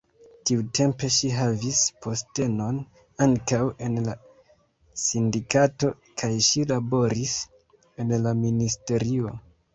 Tiutempe ŝi havis postenon ankaŭ en la sindikato kaj ŝi laboris en la ministerio.